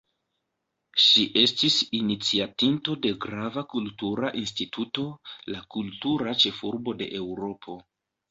Ŝi estis iniciatinto de grava kultura instituto: la “Kultura ĉefurbo de Eŭropo”.